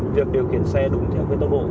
việc điều khiển xe đúng theo cái tốc độ